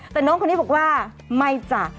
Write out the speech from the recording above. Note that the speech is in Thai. แต่น้องคนนี้บอกว่าไม่จ้ะ